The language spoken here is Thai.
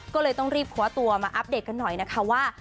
ก็เลยต้องรีบคว้าตัวมาอัปเดตกันหน่อยนะคะว่า